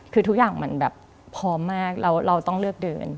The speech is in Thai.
คือทุกอย่างมันแบบพร้อมมากแล้วเราต้องเลือกเดิน